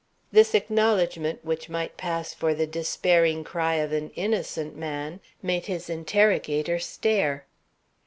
This acknowledgment, which might pass for the despairing cry of an innocent man, made his interrogator stare.